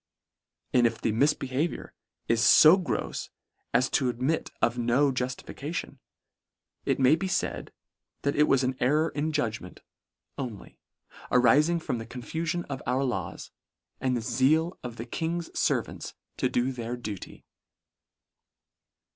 And if the misbehaviour is fo 96 LETTER IX. grofs as to admit of no justification, it may be faid that it was an error in judgment on ly, arifing from the confufion of our laws, and the zeal of the King's fervants to do their duty.